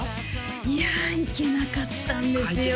いや行けなかったんですよね